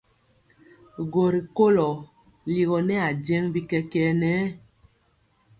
Gɔ rikolɔ ligɔ nɛ ajeŋg bi kɛkɛɛ nɛ.